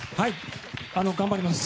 頑張ります。